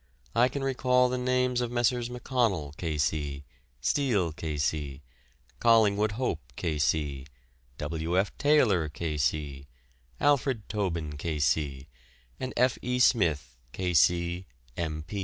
I can recall the names of Messrs. McConnell, K.C., Steel, K.C., Collingwood Hope, K.C., W. F. Taylor, K.C., Alfred Tobin, K.C., and F. E. Smith, K.C., M.